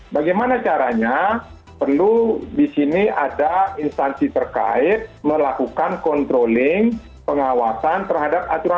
bagaimana caranya perlu di sini ada instansi terkait melakukan kontroling pengawasan terhadap aturan aturan